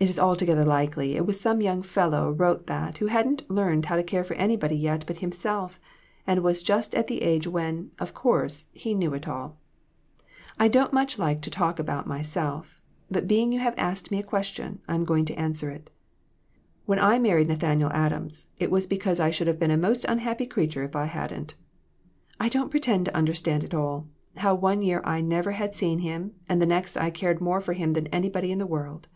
It is altogether likely it was some young fellow wrote that who hadn't learned how to care for anybody yet but himself, and was just at the age when, of course, he knew it all. I don't much like to talk about myself, but being you have asked me a question I'm going to answer it. When I married Nathaniel Adams it was because I should have been a most unhappy crea ture if I hadn't. I don't pretend to understand it all, how one year I never had seen him and the next I cared more for him than anybody in the world.